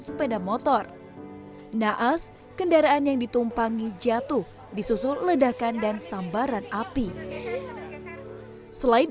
sepeda motor naas kendaraan yang ditumpangi jatuh disusul ledakan dan sambaran api selain